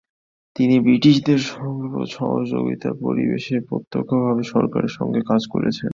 তিনি ব্রিটিশদের সঙ্গে সহযোগিতার পরিবেশে প্রত্যক্ষভাবে সরকারের সঙ্গে কাজ করেছেন।